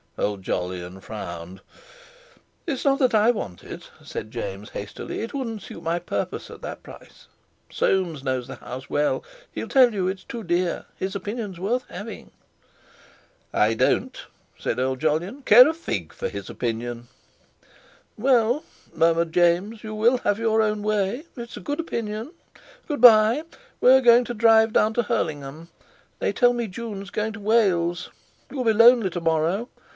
Old Jolyon frowned. "It's not that I want it," said James hastily; "it wouldn't suit my purpose at that price. Soames knows the house, well—he'll tell you it's too dear—his opinion's worth having." "I don't," said old Jolyon, "care a fig for his opinion." "Well," murmured James, "you will have your own way—it's a good opinion. Good bye! We're going to drive down to Hurlingham. They tell me Jun's going to Wales. You'll be lonely tomorrow.